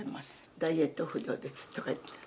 「ダイエットフードですとか言って」